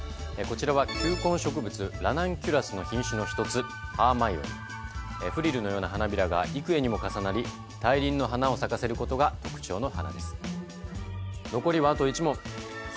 こちらは球根植物ラナンキュラスの品種の１つハーマイオニーフリルのような花びらが幾重にも重なり大輪の花を咲かせることが特徴の花です